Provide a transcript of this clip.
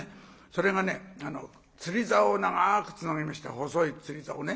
それが釣りざおを長くつなげまして細い釣りざおね。